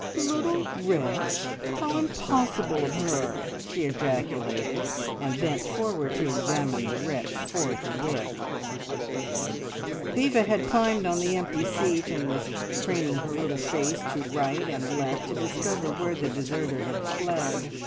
"Little wretch! How impossible of her!" she ejaculated, and bent forward to examine the wretch forthwith. Viva had climbed on the empty seat, and was craning her little face to right and left to discover where the deserter had fled.